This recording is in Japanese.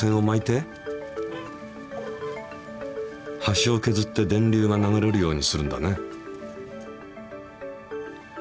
はしをけずって電流が流れるようにするんだね。